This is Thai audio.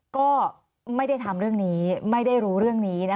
ก็ไม่ได้ทำเรื่องนี้ไม่ได้รู้เรื่องนี้